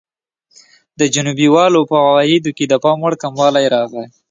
د جنوبي والو په عوایدو کې د پاموړ کموالی راغی.